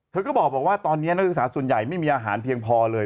เธอก็บอกว่าตอนนี้นักศึกษาส่วนใหญ่ไม่มีอาหารเพียงพอเลย